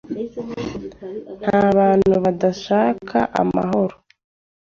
Nta bantu badashaka amahoro